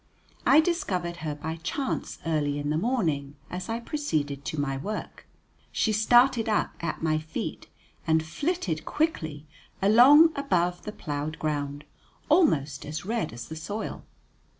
I discovered her by chance early in the morning as I proceeded to my work. She started up at my feet and flitted quickly along above the ploughed ground, almost as red as the soil.